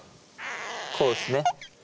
こうですね。